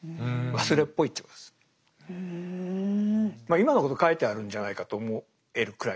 今のこと書いてあるんじゃないかと思えるくらいです。